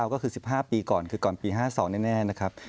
ก็คือ๑๕ปีก่อนคือก่อนปี๕๒แน่นะครับ